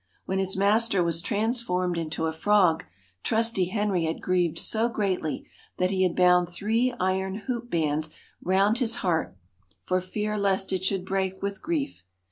When his master was transformed into a frog, trusty Henry had grieved so greatly that he had bound three iron hoop bands round his heart, for fear lest it should break with grief.